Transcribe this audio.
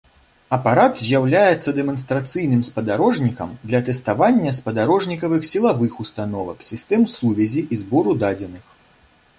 Апарат з'яўляецца дэманстрацыйным спадарожнікам для тэставання спадарожнікавых сілавых установак, сістэм сувязі і збору дадзеных.